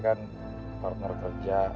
kan partner kerja